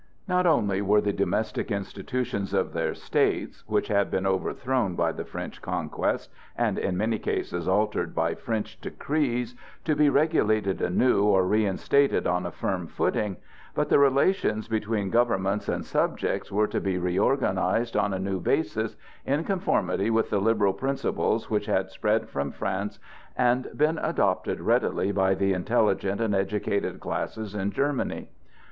Not only were the domestic institutions of their states, which had been overthrown by the French conquest and in many cases altered by French decrees, to be regulated anew or reinstated on a firm footing, but the relations between governments and subjects were to be reorganized on a new basis, in conformity with the liberal principles which had spread from France and been adopted readily by the intelligent and educated classes in Germany.